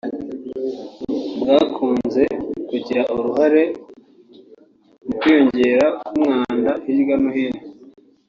bwakunze kugira uruhare mu kwiyongera k’umwanda hirya no hino